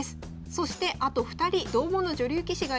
そしてあと２人同門の女流棋士がいます。